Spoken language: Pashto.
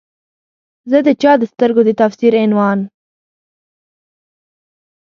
زه د چا د سترګو د تفسیر عنوان